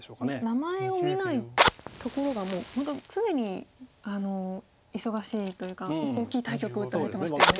名前を見ないところが本当常に忙しいというか大きい対局を打たれてましたよね。